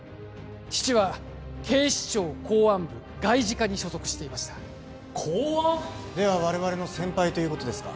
父は警視庁公安部外事課に所属していました公安？では我々の先輩ということですか？